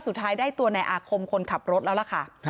สุดท้ายได้ตัวในอาคมคนขับรถแล้วล่ะค่ะ